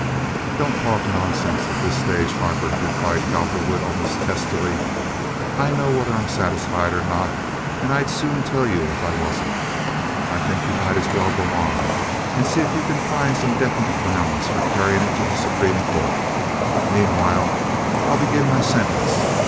"Don't talk nonsense at this stage, Harper," replied Cowperwood almost testily. "I know whether I'm satisfied or not, and I'd soon tell you if I wasn't. I think you might as well go on and see if you can find some definite grounds for carrying it to the Supreme Court, but meanwhile I'll begin my sentence.